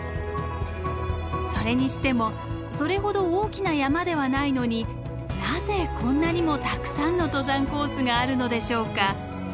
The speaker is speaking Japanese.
それにしてもそれほど大きな山ではないのになぜこんなにもたくさんの登山コースがあるのでしょうか？